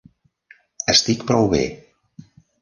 Estic prou bé.